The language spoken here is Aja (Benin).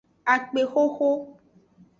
Akpexoxo.